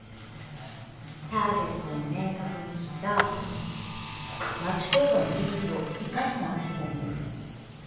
ターゲットを明確にした町工場の技術を生かしたアクセサリーです。